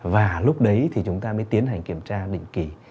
và lúc đấy thì chúng ta mới tiến hành kiểm tra định kỳ